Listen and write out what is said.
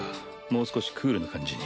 もう少しクールな感じに。